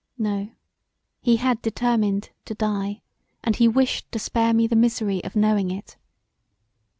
No, he had determined to die, and he wished to spare me the misery of knowing it.